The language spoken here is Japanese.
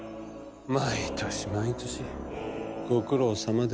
毎年毎年ご苦労さまです。